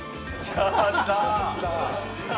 ちょっと！